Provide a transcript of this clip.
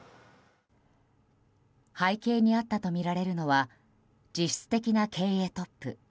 背景にあったとみられるのは実質的な経営トップ